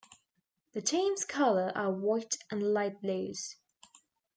The team's color are white and light blues.